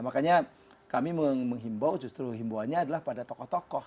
makanya kami menghimbau justru himbauannya adalah pada tokoh tokoh